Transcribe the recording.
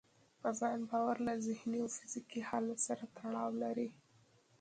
په ځان باور له ذهني او فزيکي حالت سره تړاو لري.